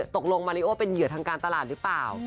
ตกลงมาริโอเป็นเหยื่อทางการตลาดหรือเปล่า